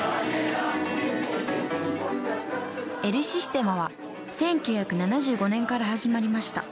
エル・システマは１９７５年から始まりました。